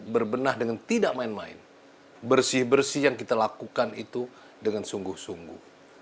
berbenah dengan tidak main main bersih bersih yang kita lakukan itu dengan sungguh sungguh